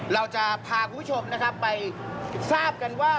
เราจะพาคุณผู้ชมนะครับไปทราบกันว่า